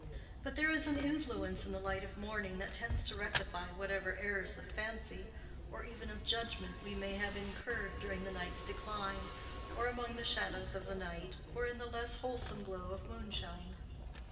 But there is an influence in the light of morning that tends to rectify whatever errors of fancy, or even of judgment, we may have incurred during the sun's decline, or among the shadows of the night, or in the less wholesome glow of moonshine.